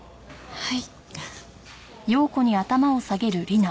はい。